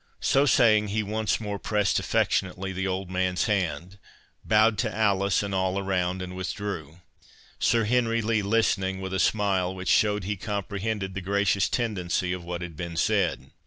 So saying, he once more pressed affectionately the old man's hand, bowed to Alice and all around, and withdrew; Sir Henry Lee listening with a smile, which showed he comprehended the gracious tendency of what had been said.